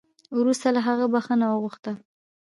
وروسته له هغه بخښنه وغوښته